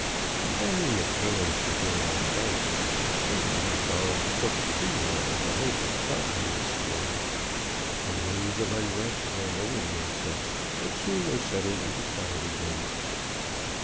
"A banging of pans began on the bank. Somebody had borrowed the cook's tinware in the hope of starting the swarm. A wave of unrest ran over the insects; but soon they settled into quiet again.